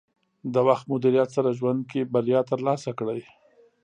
د وخت مدیریت سره ژوند کې بریا ترلاسه کړئ.